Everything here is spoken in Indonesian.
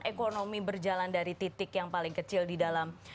ekonomi berjalan dari titik yang paling kecil di dalam